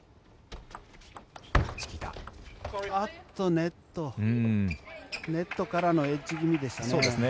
ネットネットからのエッジ気味でしたね。